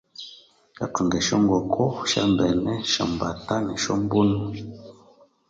Ngathunga esyongoko esyombene esyombatta nesyombunu